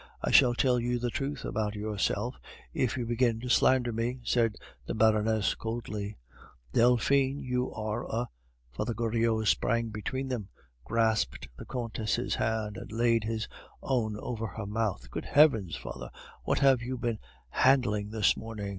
"I shall tell you the truth about yourself if you begin to slander me," said the Baroness coldly. "Delphine! you are a " Father Goriot sprang between them, grasped the Countess' hand, and laid his own over her mouth. "Good heavens, father! What have you been handling this morning?"